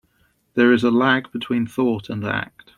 There is a lag between thought and act.